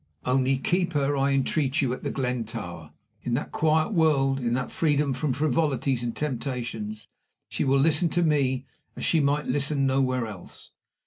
Only keep her, I entreat you, at The Glen Tower. In that quiet world, in that freedom from frivolities and temptations, she will listen to me as she might listen nowhere else.